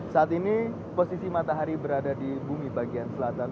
saat ini posisi matahari berada di bumi bagian selatan